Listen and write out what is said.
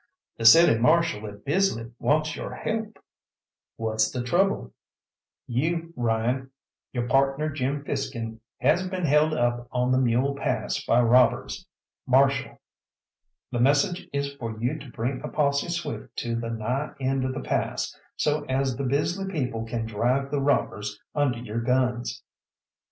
"The City Marshal at Bisley wants your help." "What's the trouble?" "You Ryan, your partner Jim Fiskin has been held up on the Mule Pass by robbers. Marshal, the message is for you to bring a posse swift to the nigh end of the pass, so as the Bisley people can drive the robbers under your guns."